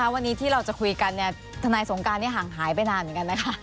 วันนี้ที่เราจะคุยกันทนายสงการห่างหายไปนานเหมือนกันนะคะ